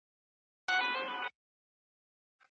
تاسو بايد د سياست په اړه دعقل څخه کار واخلئ.